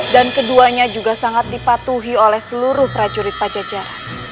dan keduanya juga sangat dipatuhi oleh seluruh prajurit pajajara